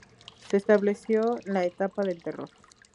Se estableció la etapa del Terror.